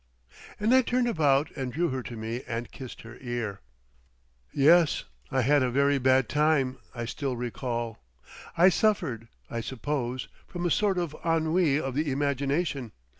And I turned about and drew her to me, and kissed her ear.... Yes, I had a very bad time—I still recall. I suffered, I suppose, from a sort of ennui of the imagination.